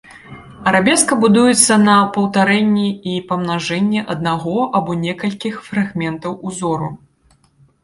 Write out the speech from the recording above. Арабеска будуецца на паўтарэнні і памнажэнні аднаго або некалькіх фрагментаў ўзору.